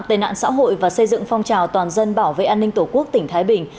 tệ nạn xã hội và xây dựng phong trào toàn dân bảo vệ an ninh tổ quốc tỉnh thái bình